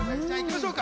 行きましょうか。